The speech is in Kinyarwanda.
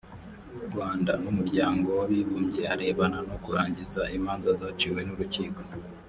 rwanda n umuryango w abibumbye arebana no kurangiza imanza zaciwe n urukiko